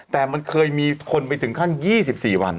แต่มันเคยมีคนไปถึงขั้น๒๔วัน